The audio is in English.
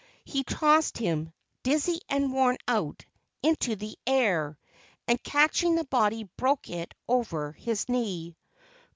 He tossed him, dizzy and worn out, into the air, and catching the body broke it over his knee.